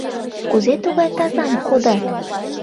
— Кузе тугай тазам кодат?